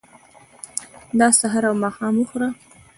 دا سهار او ماښام وخوره.